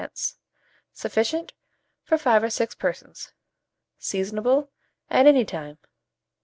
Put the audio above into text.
Sufficient for 5 or 6 persons. Seasonable at any time.